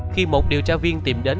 khi một điều tra viên tìm đến